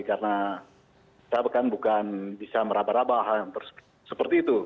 karena kita bukan bisa merabah rabah seperti itu